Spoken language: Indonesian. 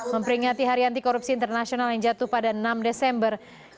memperingati hari anti korupsi internasional yang jatuh pada enam desember